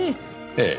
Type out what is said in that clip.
ええ。